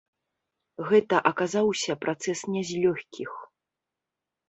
Гэта аказаўся працэс не з лёгкіх.